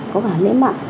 có cả lễ mạng